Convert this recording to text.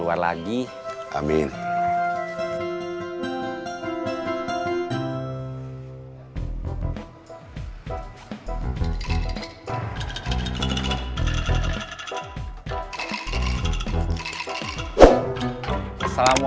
kualifikasi wig place yuk